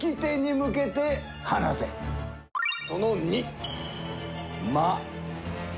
その２。